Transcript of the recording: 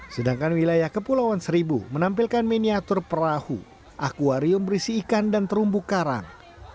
sedangkan wilayah kepulauan seribu menampilkan miniatur perahu akwarium berisi ikan dan terumbu karang